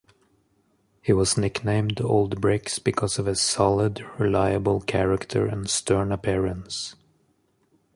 He was nicknamed "Old Bricks" because of his solid, reliable character and stern appearance.